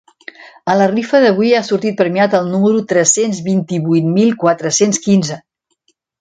A la rifa d'avui ha sortit premiat el número tres-cents vint-i-vuit mil quatre-cents quinze.